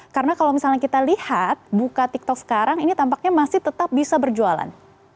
karena kalau misalnya kita lihat buka tiktok sekarang ini tampaknya masih tetap bisa berjualan